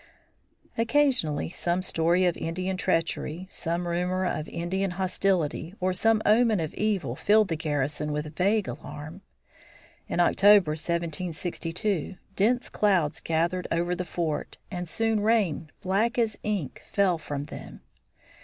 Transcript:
Occasionally some story of Indian treachery, some rumor of Indian hostility, or some omen of evil filled the garrison with vague alarm. In October, 1762, dense clouds gathered over the fort, and soon rain black as ink fell from them.